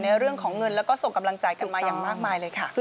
เรื่องของเงินแล้วก็ส่งกำลังใจกันมาอย่างมากมายเลยค่ะ